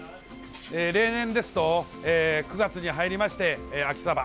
例年ですと９月に入りまして秋サバ。